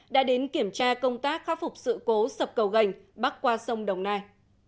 đã đến kiểm tra công tác khắc phục sự cố sập cầu gành bắc qua sông đồng nai